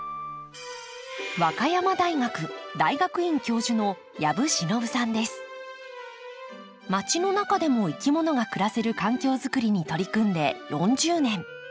和歌山大学大学院教授のまちの中でもいきものが暮らせる環境作りに取り組んで４０年。